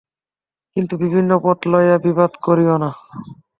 কিন্তু বিভিন্ন পথ লইয়া বিবাদ করিও না।